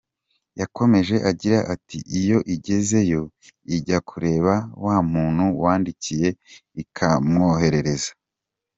Yakomeje agira ati “ Iyo igezeyo ijya kureba wa muntu wandikiye, ikayimwoherereza.